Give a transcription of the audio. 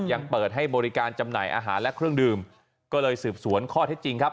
ยังเปิดให้บริการจำหน่ายอาหารและเครื่องดื่มก็เลยสืบสวนข้อเท็จจริงครับ